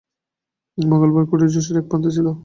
মঙ্গলার কুটীর যশোহরের এক প্রান্তে ছিল।